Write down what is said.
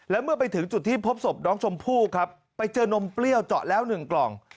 และเมื่อไปถึงจุดที่พบศพน้องชมพู่ครับไปเจอนมเปรี้ยวเจาะแล้วหนึ่งกล่อง